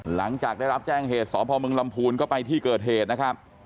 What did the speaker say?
หลังจากได้รับแจ้งเหตุสพมลำพูนก็ไปที่เกิดเหตุนะครับ